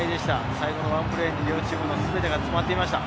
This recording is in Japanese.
最後のワンプレーに両チームの全てが詰まっていました。